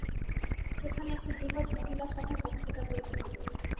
সেখানে একটি বৃহৎ মহিলাসভায় বক্তৃতা করিতে হইবে।